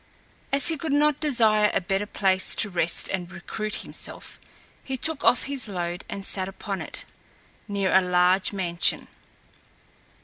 As he could not desire a better place to rest and recruit himself, he took off his load and sat upon it, near a large mansion.